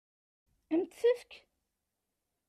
Ad m-t-tefk?